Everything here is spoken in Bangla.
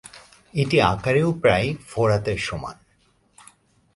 এটি আকারেও প্রায় ফোরাতের সমান।